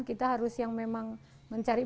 kita harus yang memang mencari